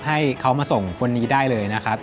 ให้เขามาส่งคนนี้ได้เลยนะครับ